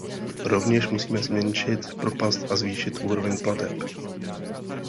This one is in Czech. Rovněž musíme zmenšit propast a zvýšit úroveň plateb.